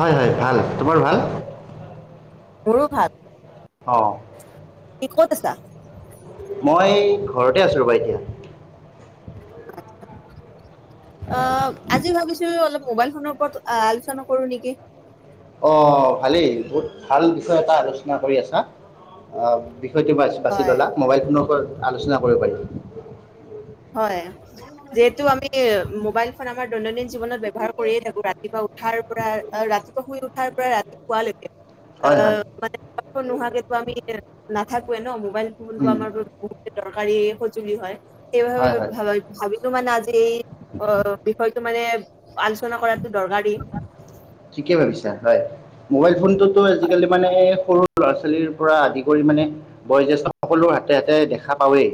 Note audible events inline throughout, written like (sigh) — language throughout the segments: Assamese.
হয় হয়, ভাল তোমাৰ ভাল? মোৰো ভাল। অঁ। কি ক'ত আছা। মই ঘৰতে আছোঁ ৰ'বা এতিয়া। অ, আজি ভাবিছো অলপ। মোবাইল ফোনৰ ওপৰত আলোচনা কৰো নেকি। অ, ভালেই বহুত ভাল বিষয় এটা আলোচনা কৰি আছা আহ। বিষয়টো মই বাছি হয়। ল'লা মোবাইল ফোনৰ পৰা। আলোচনা কৰিব পাৰিম। হয় যিহেতু আমি মোবাইল ফোন আমাৰ দৈনন্দিন জীৱনত ব্যৱহাৰ কৰিয়ে থাকো, ৰাতিপুৱা উঠাৰ পৰা ৰাতিপুৱা শুই উঠাৰ পৰা ৰাতি শোৱাৰ লৈকে। হয় হয় (unintelligible) নাথাকো ন, মোক মোবাইল ফোনটো উম, আমাৰ বহুতে দৰকাৰী। সজুলি হয়। সেইবাবে হয় হয় ভাবিলো মানে আজি এই অ বিষয়টো মানে। আলোচনা কৰাটো দৰকাৰী। ঠিকেই ভাবিছা হয়, মোবাইল ফোন। তো আজিকালি মানে। সৰু ল'ৰা ছোৱালীৰ পৰা আদি কৰি মানে বয়োজ্যেষ্ঠ সকলো হাতে হাতে দেখা পাওএ।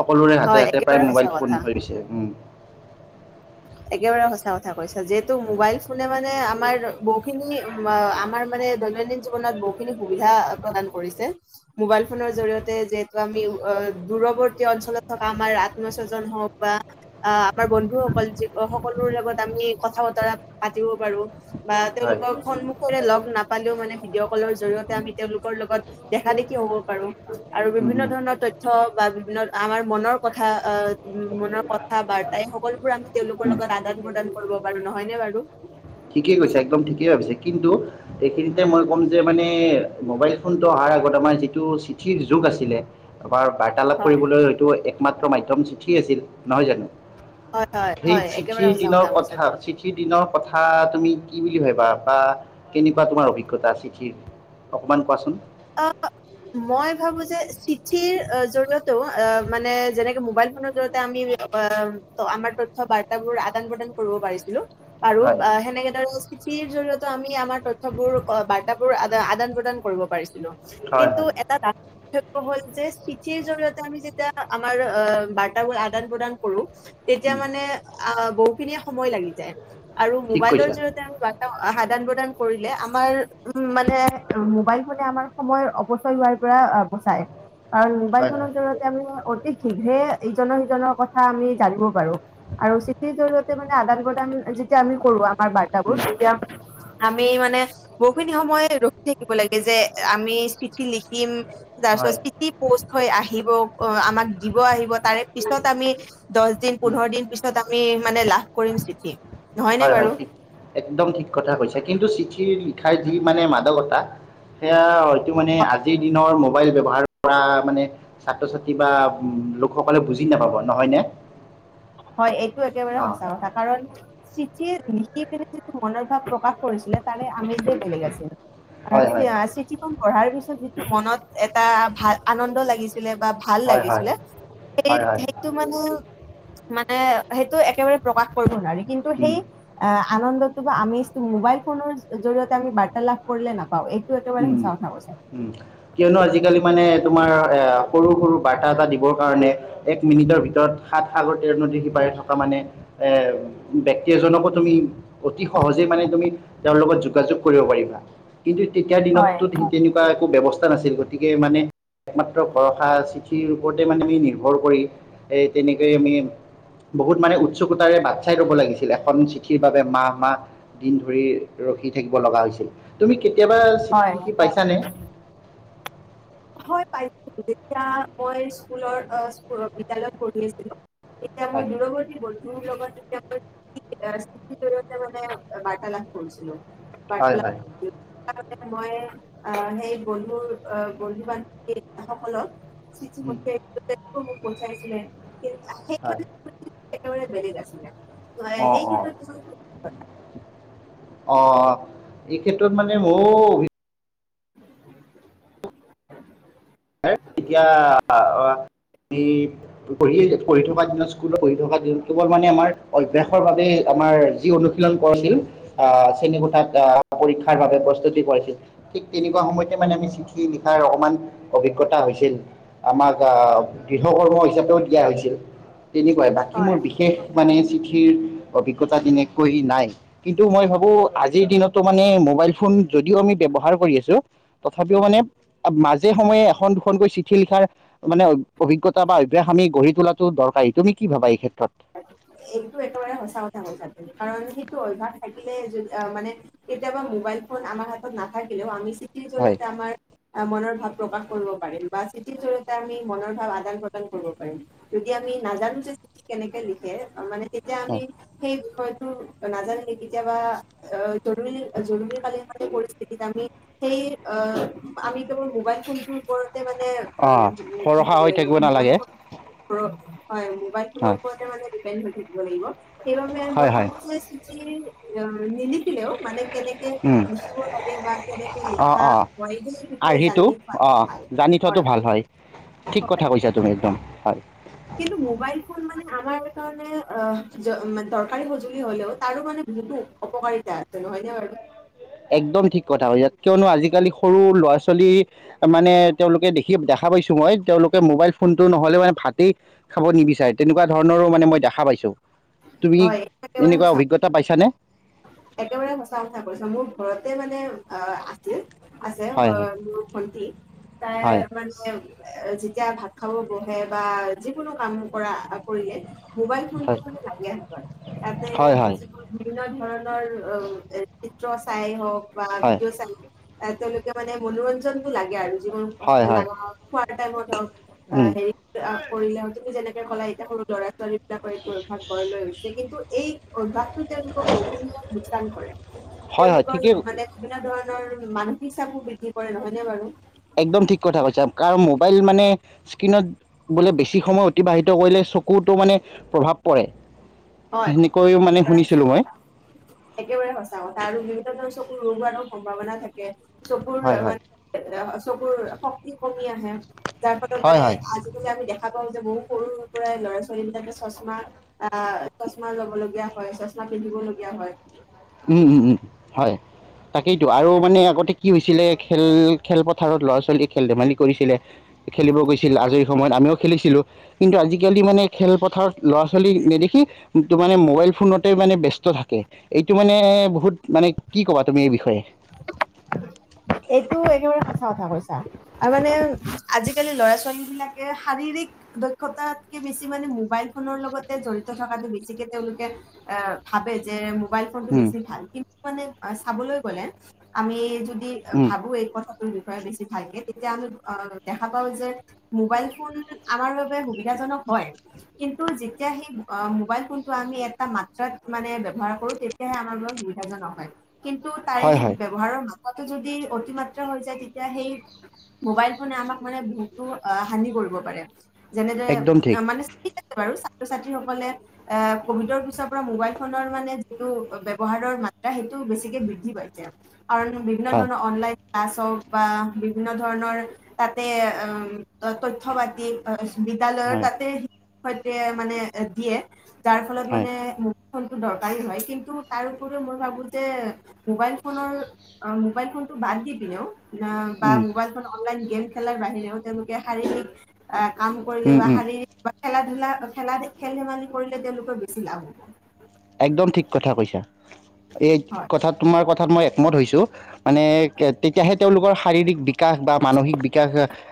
সকলোৰে হাতে হয়, হাতে প্ৰায় একেবাৰে সঁচা মোবাইল ফোন কথা। ধৰিছে, উম। একেবাৰে সঁচা কথা কৈছা, যিহেতু মোবাইল। ফোনে মানে, আমাৰ বহুখিনি আমাৰ মানে দৈনন্দিন জীৱনত বহুখিনি সুবিধা প্ৰদান কৰিছে। মোবাইল ফোনৰ জৰিয়তে যিহেতু আমি দূৰৱৰ্তী অঞ্চলত থকা আমাৰ আত্ম স্বজন হওক বা, আমাৰ বন্ধুসকল যি। সকলোৰ লগত আমি কথা বতৰা পাতিব পাৰো বা হয় তেওঁলোকক সন্মুখৰে লগ নাপালেও মানে ভিডিঅ' কলৰ জৰিয়তে আমি তেওঁলোকৰ লগত দেখা দেখি হ'ব পাৰো আৰু উম, বিভিন্ন উম, ধৰণৰ তথ্য বা বিভিন্ন আমাৰ মনৰ কথা অ মনৰ কথা বাৰ্তাই এই সকলোবোৰ আমি তেওঁলোকৰ উম। লগত আদান প্ৰদান কৰিব পাৰো নহয় নে বাৰু হ (inaudible) ঠিকেই কৈছা একদম ঠিকেই ভাবিছে কিন্তু এইখিনিতে মই ক'ম যে মানে মোবাইল ফোনটো অহাৰ আগত আমাৰ যিটো চিঠিৰ যুগ আছিলে আমাৰ বাৰ্তালাপ হয় কৰিবলৈ হয়তো এক মাত্ৰ মাধ্যয়ম চিঠি আছিল নহয় জানো হয় হয় সেই হয় একেবাৰে চিঠিৰ সঁচা দিনৰ কৈছা। কথা চিঠি দিনৰ কথাা তুমি কি বুলি ভাবিবা বা কেনেকুৱা তোমাৰ অভিজ্ঞতা চিঠিৰ অকণমান কোৱাচোন অ মই ভাবো যে চিঠিৰ জৰিয়তেও অ মানে যেনেকে মোবাইল ফোনৰ জৰিয়তে আমি আমাৰ তথ্য বাৰ্তাাবোৰ আদান প্ৰদান কৰিব পাৰিছিলো আৰু হয় সেনেকে দৰে চিঠিৰ জৰিয়তে আমি আমাৰ তথ্য বোৰ বাৰ্তা বোৰ আদান প্ৰদান কৰিব পাৰিছে হয় কিন্তু হয় এটা পাৰ্থক্য হল যে চিঠিৰ জৰিয়তে আমি যেতিয়া আমাৰ আহ বাৰ্তাাবোৰ আদান প্ৰদান কৰো তেতিয়া উম, মানে অ বহুখিনি সময় লাগি যায়। আৰু ঠিক মোবাইলৰ কৈছা জৰিয়তে আমি ৰ্বাতা আদান প্ৰদান কৰিলে আমাৰ উ মানে মোবাইল ফোনে আমাৰ সময় অপচয় হোৱাৰ পৰা বচায় আৰু মোবাইল হয় ফোনৰ হয় জৰিয়তে আমি অতি শীঘ্ৰে ইজনৰ সিজনৰ কথা আমি জানিব পাৰো আৰু চিঠিৰ জৰিয়তে মানে আদান প্ৰদান যেতিয়া আমি কৰো আমাৰ ৰ্বাতাবোৰ উম, তেতিয়া আমি মানে বহুখিনি সময় ৰখি থাকিব লাগে যে আমি চিঠি লিখিম তাৰ হয় পিছত চিঠি পোষ্ট হৈ আহিব। অ আমাক দিব আহিব তাৰে পিছত আমি দহ দিন উম। পোন্ধৰ দিন পিছত আমি মানে লাভ কৰিম চিঠি নহয়নে হয় হয় বাৰু? ঠিক একদম ঠিক কথা কৈছ কিন্তু চিঠিৰ। শিক্ষাৰ যি মানে মাদকতা সেয়া হয়তো মানে আজিৰ দিনৰ মোবাইল ব্যৱহাৰ পৰা মানে ছাত্ৰ ছাত্ৰী বা লোকসকলে বুজি নাপাব নহয়নে। হয় এইটো একেবাৰে অ সঁচা কথা কাৰণ। চিঠি লিখি পিনে যিটো মনৰ ভাৱ প্ৰকাশ কৰিছিলে। তাৰে আমি দ বেলে আছিল হয় হয় চিঠি খন। পঢ়াৰ পিছত যিটো মনত এটা ভাল আনন্দ লাগিছিল। বা ভাল হয় হয় লাগিছিলে সেই হয় হয় সেইটো মানে। এ সেইটো একেবাৰে প্ৰকাশ কৰিব নোৱাৰি। কিন্তু উম সেই আনন্দ। আমিটো মোবাইল ফোনৰ জৰিয়তে আমি বাৰ্তালাভ কৰিলে নাপ। উম উম কিয়নো আজিকালি মানে। তোমাৰ এ সৰু সৰু বাৰ্তা এটা দিবৰ কাৰণে এক মিনিটৰ ভিতৰত সাত সাগৰ তেৰ নদী সিপাৰে থকা মানে এ ব্যক্তি এজনকো তুমি অতি সহজে মানে তুমি তেওঁৰ লগত যোগাযোগ কৰিব পাৰিবা কিন্তু। তেতিয়া হয় দিনতো তেনেকুৱা একো ব্যৱস্থা। নাছিল গতিকে মানে একমাত্ৰ ভৰসা চিঠিৰ ওপৰতে মানে আমি নিৰ্ভৰ কৰি এ তেনেকে আমি বহুত মানে উৎসুকতাৰে বাট চাই লব লাগিছিল এখন চিঠিৰ বাবে মাহ মাহ দিন ধৰি ৰখি থাকিব লগা হৈছিল তুমি। কেতিয়াবা চিখি হয়। লিখি পাইছানে। হয় পাইছিলো যেতিয়া পয় স্কুল বিদ্যালয় পঢ়ি আছিলো। এতিয়ামই হয় দূৰৱৰ্তী। তোৰ লগততিয়া জৰিয়তে মানে বাটা পছিলো। হয় হয়। মই অ সেই বন্ধুৰ অ। বন্ধু বান্ধৱী সকলক। চিঠি উম। পঠিয়াই। পঠিয়াই ছিলে। হয়। বেলে গ আছিলে। হয় অঁ এই অঁ ক্ষেত্ৰত কি। অ এই ক্ষেত্ৰত মানে মোৰ অভিজ্ঞতা। আমি পঢ়ি পঢ়ি থকা দিনত স্কুলত পঢ়ি থকা দিনত কেৱল মানে আমাৰ অভ্যাসৰ বাবে আমাৰ যি অনুশীলন কৰিছিল আহ শ্ৰেণীকোঠাত আহ পৰীক্ষাৰ বাবে প্ৰস্তুতি কৰিছিল ঠিক তেনেকুৱা সময়তে মানে আমি চিঠি লিখাৰ অকমান। অভিজ্ঞতা হৈছিল আমাক অ দৃঢ় কৰ্ম হিচাপেও দিয়া হৈছিল। তেনেকুৱাই বাকী হয় মোৰ বিশেষ মানে। অভিজ্ঞতা তেনেক নাই কিন্তু মই ভাবো আজিৰ দিনতো মানে মোবাইল ফোন যদিও আমি ব্যবহাৰ কৰি আছো তথাপিও মানে মাজে। সময়ে এখন দুখনকৈ চিঠি লিখাৰ মানে অভিজ্ঞতা বা অভ্যাস আমি গঢ়ি তোলাটো দৰকাৰ এই তুমি কি ভাবা এই ক্ষেত্ৰত। এইটো একেবাৰে সঁচা কথা কথাটো কাৰণ সেইটো অভ্যাস থাকিলে মানে কেতিয়াবা মোবাইল ফোন আমাৰ হাতত নাথাকিলেও আমি। স হয় জৰিয়তে আমাৰ। মনৰ ভাৱ প্ৰকাশ কৰিব পাৰিম বা চিঠিৰ জডৰিয়তে আমি মনৰ ভাৱ আদান প্ৰদান কৰিব পাৰিম যদি আমি নাজানো যে চিঠ কেনে। লিখে মানে। তেতিয়া আমি সেই বিষয়ত (unintelligible) নাজানাকে কেতিয়াবা (unintelligible) জৰুৰী-জৰুৰী কালীন সেই পৰিস্থিতিত আমি সেই অ - আমি কেৱল মোবাইল ফোনটোৰ ওপৰত তে মানে অ অঁ ভৰসা (unintelligible) হৈ লাগিব থাকিব মোবাইল নালাগে ফোনটো (unintelligible) হয় মোবাইল ফোনৰ। হয় তাতে মানে ডিপেণ্ড হৈ থাকিব লাগিব। সেইবাবে হয় মই হয় ভাবো যে (unintelligible) নিলি খিলেও মানে কেনেকে লিখিব লাগে বা কেনেকে অঁ লিখা অঁ হয় (unintelligible) বিষয়ে আৰ্হিটো জানি থোৱাতটো অঁ ভাল। জানি থোৱাটো হয় হয়। ভাল ঠিক কথা কৈছা তুমি। দম হয়। কিন্ত মবাইল ফোন মানে আমাৰ কাৰণে অ - জ - মানে দৰকাৰী সঁজুলি হলেও তাৰো মানে বহুতো অপকাৰিতা আছে নহয় নে বাৰু? একদম ঠিক কথা কৈছা কিয়নো আজিকালি সৰু ল'ৰা ছোৱালী মানে তেওঁলোকে দেখি - দেখা পাইছো মই তেওঁলোকে মোবাইল ফোনতটো নহলে মানে ভাতেই খাব নিবিচাৰে, তেনেকুৱা ধৰণৰো মানে মই দেখা পাইছো। তুমি হয় একেবাৰে এনেকুৱা সঁচা অভিজ্ঞতা পাইছানে? একেবাৰে সঁচা কথা কৈছা মোৰ ঘৰতে মানে অ' আছিল। আছে হয় অ - মোৰ ভণ্টী হয় তাই মানে এ যেতিয়া ভাত খাব বহে বা যিকোনো কাম কৰা - কৰিলে মোবাইল ফোনটো হয় কিন্ত লাগে হাতত তাতে হয় হয় হয় যিকোনো বিভিন্ন ধৰণ (unintelligible) (unintelligible) হওক। বা হয় ভিডিঅ' (unintelligible) তেওঁলোকে মানে মনোৰঞ্জনটো লাগে আৰু। (unintelligible) হয় হয় (unintelligible) উম, অ' হেৰি (unintelligible) কৰিলে (unintelligible) তুমি যেনে (unintelligible) এতিয়া সৰু ল'ৰা ছোৱালী বিলাকৰ এইটো অভ্যাস গঢ় লৈ উঠিছে কিন্তু এই অভ্যাসটো তেওঁলোকক (unintelligible) (unintelligible) লোকচান কৰে হয় হয় তেওঁলোকৰ ঠিকেই মানে বিভিন্ন ধৰণ ণৰ মানসিক চাপো বৃদ্ধি কৰে নহয়নে বাৰু? একদম ঠিক কথা কৈছা, কাৰণ মোবাইল মানে স্ক্ৰীণত বোলে বেছি সময় অতিবাহিত কৰিলে চকুতো মানে প্ৰভাৱ পৰে। হয়, সেনেকৈও মানে একেবাৰে সচা শুনিছিলোঁ মই কথা, একেবাৰে সঁচা কথা আৰু (unintelligible) চকুৰ ৰোগ হোৱাৰো সম্ভাৱনা থাকে। চকুৰ হয় হয় মানে চকুৰ শক্তি কমি আহে যাৰ ফলত হয় মানে হয় আজিকালি আমি দেখা কওঁ যে বহু সৰু পৰাই ল'ৰা ছোৱালী বিলাকে চচমা আহ চচমা লব লবগীয়া হয় চচমা পিন্ধিব লগীয়া হয় উম উম হয় তাকেইতো আৰু মানে আগতে কি হৈছিলে খেল খেলপথাৰত ল'ৰা ছোৱালীয়ে খেল ধেমালি কৰিছিলে খেলিব গৈছিল আজৰি সময়ত আমিও খেলিছিলোঁ কিন্তু আজিকালি মানে খেলপথাৰত ল'ৰা ছোৱালী নেদেখি ত মানে মোবাইল ফোনতে মানে ব্যস্ত থাকে এই এটো মানে বহুত মানে কি ক'বা তুমি এই বিষয়ে এইটো একেবাৰে সঁচা কথা কৈছা তৰ মানে আজিকালি ল'ৰা ছোৱালী বিলাকে শাৰীৰিক দক্ষতাতকে বেছি মানে মোবাইল ফোনৰ লগতে জড়িত থকাটো বেছিকে তেওঁলোকে এ ভাবে যে মোবাইল ফোনটো উম, বেছি ভাল মানে চাবলৈ গ'লে আমি যদি উম, ভাবো এই কথা তোৰ বিষয়ে বেছি ভালকে তেতিয়া আমি দেখা পাওঁ যে মোবাইল ফোন আমাৰ বাবে সুবিধাজনক হয় কিন্তু যেতিয়া সেই মোবাইল ফোনটো আমি এটা মাত্ৰাত মানে ব্য্ৱহাৰ কৰো তেতিয়াহে আমাৰ বাবে সুবিধাজনক হয় কিন্তু তাৰে হয় সেই হয় ব্যৱহাৰৰ মান তাতে যদি যদি অতিমাত্ৰা হৈ যায় তেতিয়া সেই মোবাইল ফোনে আমাক মানে বহুতো হানি কৰিব পাৰে যেনেদৰে একদম ঠিক ইচি আছে বাৰু ছাত্ৰ ছাত্ৰীসকলে এ কভিডৰ পিছৰ পৰা মোবাইল ফোনৰ মানে যিটো ব্যৱহাৰৰ মাত্ৰা সেইটো বেছিকে বৃদ্ধি পাইছে কাৰণ বিভিন্ন হয় ধৰণৰ অনলাইন ক্লাছ বা বিভিন্ন ধৰণৰ তাতে উ তথ্য পাতি বিদ্যালয়ৰ হয় তাতে সৈতে মানে দিয়ে যাৰ ফলত হয় মানে মো ফোনটো দৰকাৰী হয় কিন্তু তাৰ উপৰিও মই ভাবো যে মোবাইল ফোনৰ অ মোবাইল ফোন টো বাদ দি পিনে অ ন বা উম, মোবাইল ফোন অ অননলাইন গেম খেলাৰ বাহিৰেও তেওঁলোকে শাৰীৰিক আহ কাম কৰিলে উম, বা উম, শাৰীৰিক খেলা ধূলা খেলা খেল ধেমালি কৰিলে তেওঁলোকৰ বেছি লাভ হ'ব একদম ঠিক কথা কৈছা এই হয়। কথা তোমাৰ কথা মই একমত হৈছোঁ মানে তেতিয়াহে তেওঁলোকৰ শাৰীৰিক বিকাশ বা মানসিক বিকাশ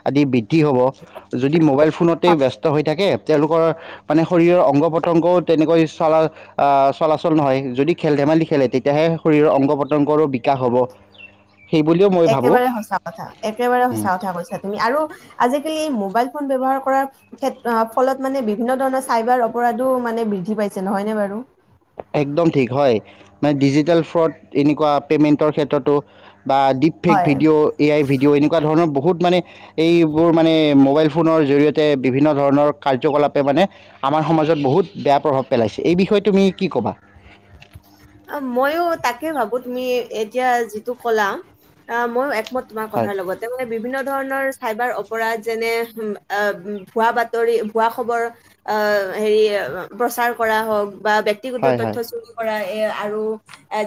আদি বৃদ্ধি কিহব যদি মোবাইল ফোনতে ব্যস্ত ব্যস্ত হৈ থাকে তেওঁলোকৰ মানে শৰীৰৰ অংগ প্ৰতংগও তেনেকৈ চলা অহ চলাচল নহয় যদি খেল ধেমালি খেলে তেতিয়াহে শৰীৰৰ অংগ পতংগৰো বিকাশ হ'ব সেইবুলিও মই একেবাৰে ভাবোঁ সঁচা কথা একেবাৰে সঁচা কথা কৈছা তুমি আৰু আজি কালি মো মোবাইল ফোন ব্যৱহাৰ কৰাৰ ক্ষেত্ৰত, ফলত মানে, বিভিন্ন ধৰণৰ চাইবাৰ অপৰাধো মানে বৃদ্ধি পাইছে নহয়নে বাৰু। একদম ঠিক হয়। মানে, ডিজিটেল ফ্ৰড এনেকুৱা পেমেন্টৰ ক্ষেত্ৰতো বা ডিপ ফেক হয় ভিডিঅ', এ আই ভিডিঅ' এনেকুৱা ধৰণৰ বহুত মানে, এইবোৰ মানে, মোবাইল ফোনৰ জৰিয়তে বিভিন্ন ধৰণৰ কাৰ্যকলাপে মানে আমাৰ সমাজত বহুত বেয়া প্ৰভাৱ পেলাইছে। এই বিষয়ে তুমি কি ক'বা? মইয়ো তাকে ভাবোঁ! তুমি এতিয়া যিটো ক'লা অ'! মইয়ো মই তোমাৰ হয় কথাৰ লগতে মানে বিভিন্ন ধৰণৰ চাইবাৰ অপৰাধ যেনে, ভুৱা বাতৰি, ভুৱা খবৰ আ' হেৰি প্ৰচাৰ কৰা হওঁক। বা ব্যক্তিগত হয় তথ্য হয় স্ব এ, আৰু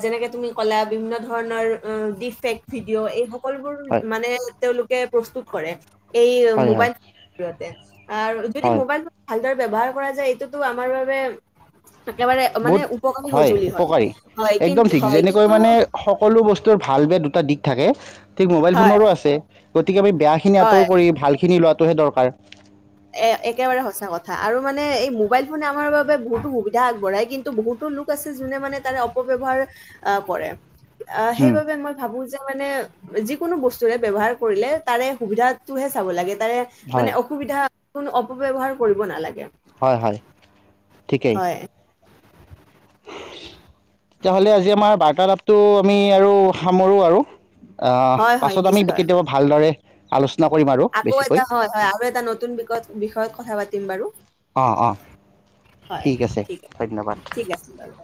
যেনেকে তুমি ক'লা! বিভিন্ন ধৰণৰ ডিপ ফেক ভিডিঅ' এইবোৰ সকলবোৰ হয় মানে তেওঁলোকৰ প্ৰস্তুত কৰে। এই হয় হয় মোবাইল জৰিয়তে আৰু যদি হয় মোবাইল ভালদৰে ব্ৱহাৰ কৰা যায় এইটোতো আমাৰ বাবে একেবাৰে মানে বহুত উপ হয় উপকাৰী, একদম ঠিক। যেনেকৈ কিন্তু মানে সকলো বস্তুৰ ভাল দুটা দিশ থাকে। ঠিক মোবাইল হয় ফোনৰো আছে। গতিকে, আমি বেয়াখিনি হয় আঁতৰ কৰি ভালখিনি লোৱাত টোহে দৰকাৰ। এ, একেবাৰে সঁচা কথা আৰু মানে এই মোবাইল ফোনে আমাৰ বাবে বহুতো সুবিধা আগবঢ়ায়। কিন্তু, বহুতো লোক আছে যোনে মানে তাৰে অপব্যৱহাৰ কৰে। অ'! হুম, সেইবাবে মই ভাবোঁ যে, মানে, যিকোনো বস্তুৰে ব্যৱহাৰ কৰিলে তাৰে সুবিধাটোহে চাব লাগে। তাৰে, মানে হয় অসুবিধা কোনো অপব্যৱহাৰ কৰিব নালাগে। হয়, হয়। ঠিকেই হয়। তেতিয়াাহ'লে আজি আমাৰ বাৰ্তালাপটো আমি আৰু সামৰোঁ আৰু। আঁ হয় হয় পাছত আমি নিশ্চয় কেতিয়াবা ভালদৰে আলোচনা কৰিম আৰু আকৌ বেছিকৈ এটা হয়, হয় আৰু এটা নতুন বি বিষয়ত কথা পাতিম বাৰু অঁ অঁ হয়, ঠিক আছে ধন্যবাদ ঠিক আছে বাৰু।